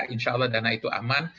insyaallah dana itu aman